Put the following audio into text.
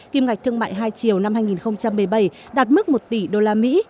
kiêm ngạch thương mại hai chiều năm hai nghìn một mươi bảy đạt mức một tỷ usd